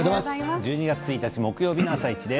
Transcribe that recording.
１２月１日木曜日の「あさイチ」です。